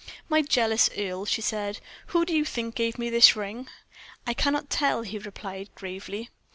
"My jealous Earle," she said; "who do you think gave me this ring?" "I cannot tell," he replied, gravely.